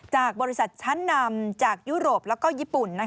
จากบริษัทชั้นนำจากยุโรปและญี่ปุ่น